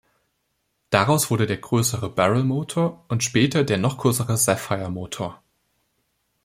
Daraus wurde der größere "Beryl"-Motor und später der noch größere "Sapphire"-Motor.